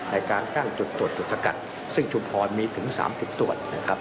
ในการตั้งจุดตรวจจุดสกัดซึ่งชุมพรมีถึง๓๐ตรวจนะครับ